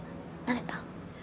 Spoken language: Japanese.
慣れた？